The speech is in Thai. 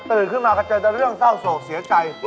ขึ้นมาก็เจอแต่เรื่องเศร้าโศกเสียใจ